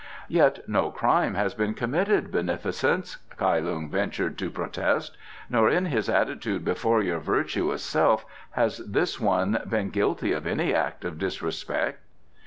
"Yet no crime has been committed, beneficence," Kai Lung ventured to protest; "nor in his attitude before your virtuous self has this one been guilty of any act of disrespect."